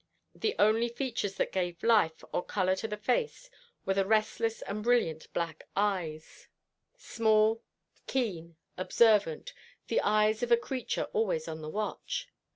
The only features that gave life or colour to the face were the restless and brilliant black eyes, small, keen, observant, the eyes of a creature always on the watch.